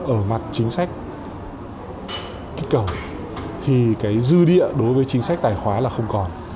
ở mặt chính sách kích cầu thì cái dư địa đối với chính sách tài khoá là không còn